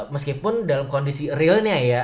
meskipun dalam kondisi realnya ya